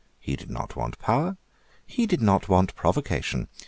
He did not want power. He did not want provocation.